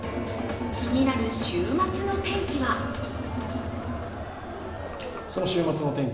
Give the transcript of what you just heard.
気になる週末の天気は？わ！